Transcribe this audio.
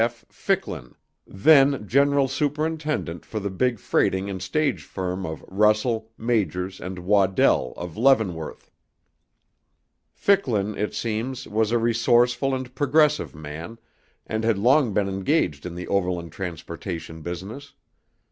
F. Ficklin, then General Superintendent for the big freighting and stage firm of Russell, Majors, and Waddell of Leavenworth. Ficklin, it seems, was a resourceful and progressive man, and had long been engaged in the overland transportation business.